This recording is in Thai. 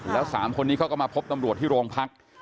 แล้ว๓คนนี้เขาก็มาพบตำรวจที่โรงพัก